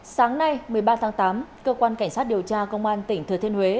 sáng nay một mươi ba tháng tám cơ quan cảnh sát điều tra công an tỉnh thừa thiên huế